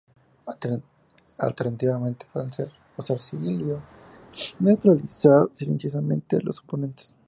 Alternativamente, pueden usar sigilo y neutralizar silenciosamente a los oponentes.